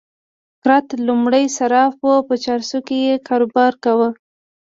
کرت لومړی صراف وو او په چارسو کې يې کاروبار کاوه.